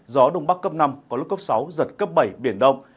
gió đông bắc cấp năm có lúc cấp sáu giật cấp bảy biển động